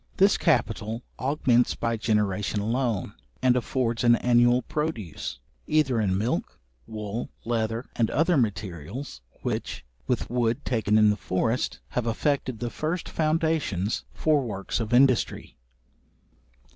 This capital augments by generation alone, and affords an annual produce, either in milk, wool, leather, and other materials, which, with wood taken in the forest, have effected the first foundations for works of industry.